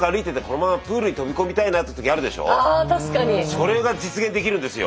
それが実現できるんですよ。